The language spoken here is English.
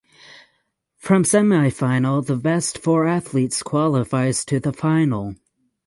From semifinal the best four athletes qualifies to the final.